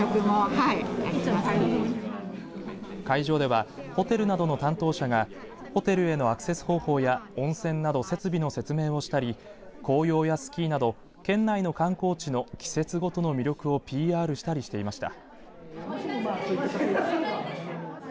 会場ではホテルなどの担当者がホテルへのアクセス方法や温泉など設備の説明をしたり紅葉やスキーなど県内の観光地の季節ごとの魅力をＰＲしたりしていました。